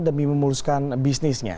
demi memuluskan bisnisnya